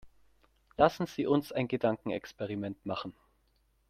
Lassen Sie uns ein Gedankenexperiment machen.